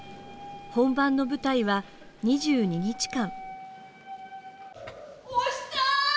本番の舞台は２２日間。